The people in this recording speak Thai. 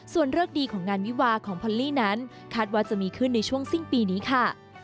ส่วนเลิกดีของงานวิวาของพอลลี่นั้นคาดว่าจะมีขึ้นในช่วงสิ้นปีนี้ค่ะ